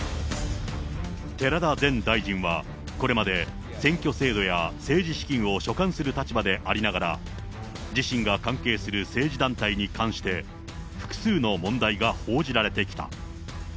寺田前大臣はこれまで選挙制度や政治資金を所管する立場でありながら、自身が関係する政治団体に関して、複数の問題が報じられてきた。